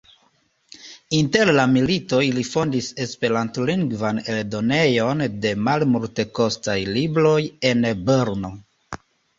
Inter la militoj li fondis esperantlingvan eldonejon de malmultekostaj libroj en Brno.